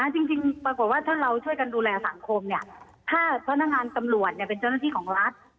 จริงปรากฏว่าถ้าเราช่วยกันดูแลสังคมถ้าพนักงานตำรวจเป็นเจ้าหน้าที่ของรัฐ